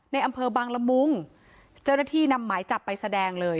ในอำเภอบางละมุงเจ้าหน้าที่นำหมายจับไปแสดงเลย